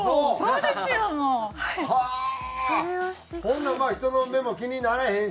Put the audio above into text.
ほんならまあ人の目も気にならへんし。